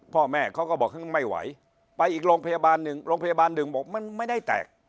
พ่อแม่เขาก็บอกไม่ไหวไปอีกโรงพยาบาลหนึ่งโรงพยาบาลหนึ่งบอกมันไม่ได้แตก